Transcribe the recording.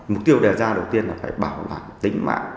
mục tiêu đề ra đầu tiên là phải bảo đảm tính mạng